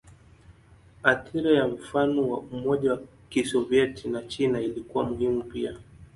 Athira ya mfano wa Umoja wa Kisovyeti na China ilikuwa muhimu pia.